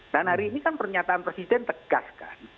dan hari ini kan pernyataan presiden tegaskan